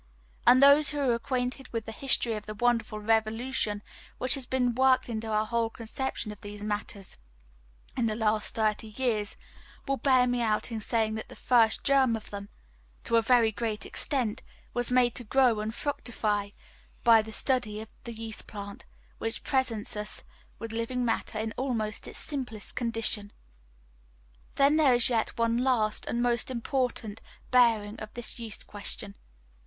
And those who are acquainted with the history of the wonderful revolution which has been worked in our whole conception of these matters in the last thirty years, will bear me out in saying that the first germ of them, to a very great extent, was made to grow and fructify by the study of the yeast plant, which presents us with living matter in almost its simplest condition. Then there is yet one last and most important bearing of this yeast question.